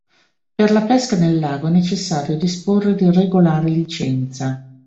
Per la pesca nel lago è necessario disporre di regolare licenza.